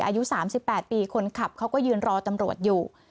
อายุ๓๘ปีคนขับเขาก็ยืนรอตำรวจอยู่